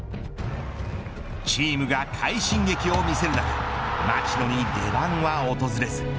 チームが快進撃を見せる中町野に出番は訪れず。